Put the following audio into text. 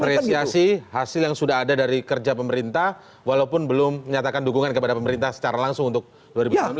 apresiasi hasil yang sudah ada dari kerja pemerintah walaupun belum menyatakan dukungan kepada pemerintah secara langsung untuk dua ribu sembilan belas